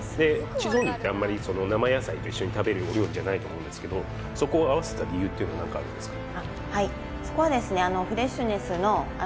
チーズフォンデュってあんまり生野菜と一緒に食べるお料理じゃないと思うんですけどそこを合わせた理由っていうのは何かあるんですか？